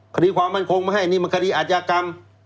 คดีความมั่นคงไม่ให้นี่มันคดีอาจยากรรม